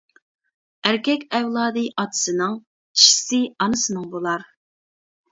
ئەركەك ئەۋلادى ئاتىسىنىڭ، چىشىسى ئانىسىنىڭ بولار.